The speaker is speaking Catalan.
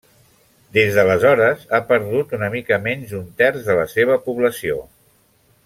Des d'aleshores, ha perdut una mica menys d'un terç de la seva població.